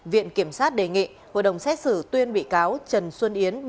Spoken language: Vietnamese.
viện kiểm sát đề nghị hội đồng xét xử tuyên bị cáo trần xuân yến